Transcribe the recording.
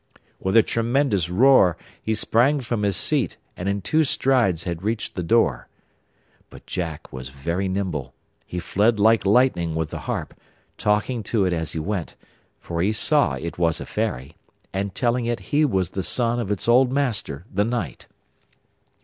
With a tremendous roar he sprang from his seat, and in two strides had reached the door. But Jack was very nimble. He fled like lightning with the harp, talking to it as he went (for he saw it was a fairy), and telling it he was the son of its old master, the knight.